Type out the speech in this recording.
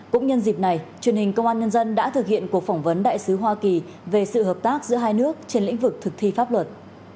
cũng nhân dịp này truyền hình công an nhân dân đã thực hiện cuộc phỏng vấn đại sứ hoa kỳ về sự hợp tác giữa hai nước trên lĩnh vực thực thi pháp luật